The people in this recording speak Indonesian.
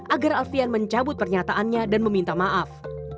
agar alfian mencabut pernyataannya dan meminta maaf